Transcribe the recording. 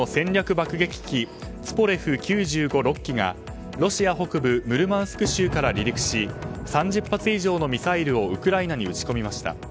爆撃機ツポレフ９５、６機がロシア北部ムルマンスク州から離陸し３０発以上のミサイルをウクライナに撃ち込みました。